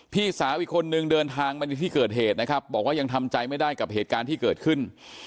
พี่สาวอีกคนนึงเดินทางมาในที่เกิดเหตุนะครับบอกว่ายังทำใจไม่ได้กับเหตุการณ์ที่เกิดขึ้น